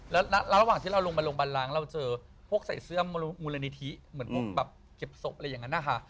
แล้วระหว่างที่เราลงมาโรงพยาบาลล้างเราเจอพวกใส่เสื้อมูลนิธิเหมือนพวกแบบเก็บศพอะไรอย่างนั้นนะคะ